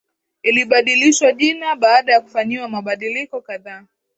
ilibadilishwa jina baada ya kufanyiwa mabadiliko kadhaa